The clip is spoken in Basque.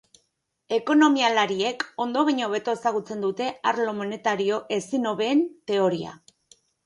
Ekonomialariek ondo baino hobeto ezagutzen dute arlo monetario ezin hobeen teoria.